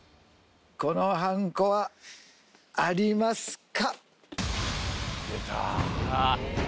このはんこはありますか？